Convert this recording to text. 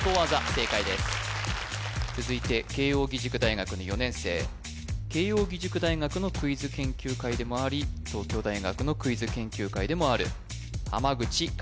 正解です続いて慶應義塾大学の４年生慶應義塾大学のクイズ研究会でもあり東京大学のクイズ研究会でもある口和